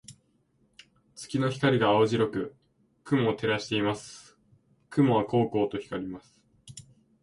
月の光が青白く雲を照らしています。雲はこうこうと光ります。